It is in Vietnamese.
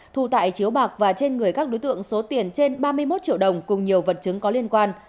thu tại chiếu bạc và trên người các đối tượng số tiền trên ba mươi một triệu đồng cùng nhiều vật chứng có liên quan